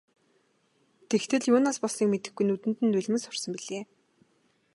Тэгтэл юунаас болсныг мэдэхгүй нүдэнд нь нулимс хурсан билээ.